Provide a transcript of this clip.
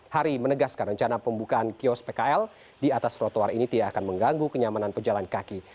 hari menegaskan rencana pembukaan kios pkl di atas trotoar ini tidak akan mengganggu kenyamanan pejalan kaki